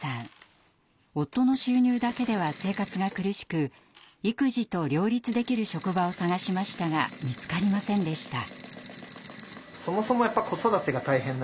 夫の収入だけでは生活が苦しく育児と両立できる職場を探しましたが見つかりませんでした。